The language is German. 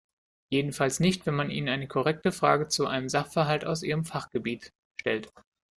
Jedenfalls nicht, wenn man ihnen eine konkrete Frage zu einem Sachverhalt aus ihrem Fachgebiet stellt.